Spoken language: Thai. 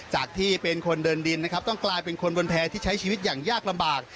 จากที่เป็นคนเดินดินนะครับต้องกลายเป็นคนบนแพร่ที่ใช้ชีวิตอย่างยากลำบาก